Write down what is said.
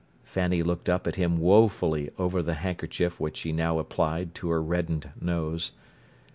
Fanny looked up at him woefully over the handkerchief which she now applied to her reddened nose.